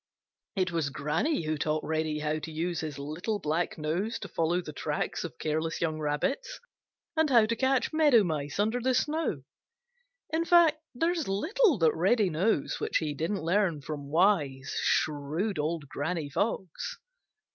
It was Granny who taught Reddy how to use his little black nose to follow the tracks of careless young Rabbits, and how to catch Meadow Mice under the snow. In fact, there is little Reddy knows which he didn't learn from wise, shrewd Old Granny Fox.